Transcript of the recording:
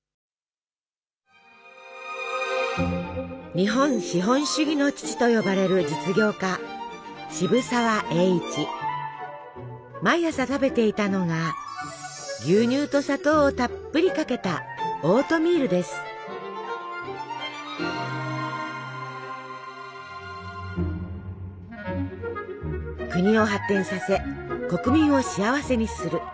日本資本主義の父と呼ばれる実業家毎朝食べていたのが牛乳と砂糖をたっぷりかけた国を発展させ国民を幸せにする。